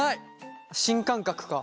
新感覚か。